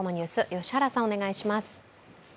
良原さん、お願いします。